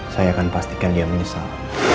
saya akan pastikan dia menyesal